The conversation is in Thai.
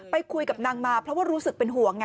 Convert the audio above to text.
ไปคุยกับนางมาเพราะว่ารู้สึกเป็นห่วงไง